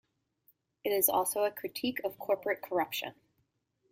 It is also a critique of corporate corruption.